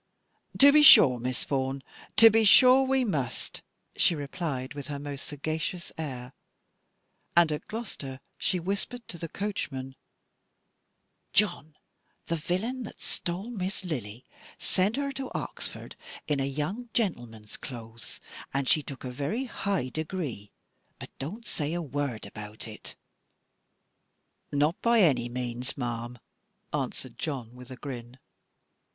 "To be sure, Miss Vaughan, to be sure we must," she replied with her most sagacious air: and at Gloucester she whispered to the coachman, "John, the villain that stole Miss Lily sent her to Oxford, in a young gentleman's clothes, and she took a very high degree: but don't say a word about it." "Not by any means, ma'am," answered John, with a grin.